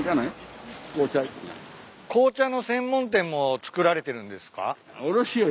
紅茶の専門店もつくられてるんですか？